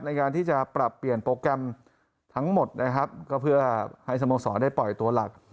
ในการที่จะปรับเปลี่ยนโปรแกรมทั้งหมดนะครับก็เพื่อให้สโมสรได้ปล่อยตัวหลัก